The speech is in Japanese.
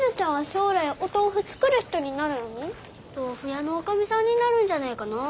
豆腐屋のおかみさんになるんじゃねえかなあ。